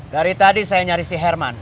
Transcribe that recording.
dari tadi saya nyari si herman